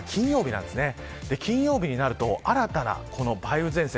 金曜日になると、新たな梅雨前線